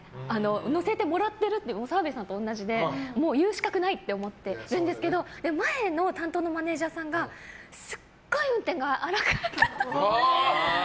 乗せてもらってるって澤部さんと同じで言う資格ないと思ってるんですけどでも前の担当のマネジャーさんがすごい運転が荒くて。